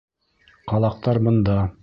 Ҡалаҡтар бында!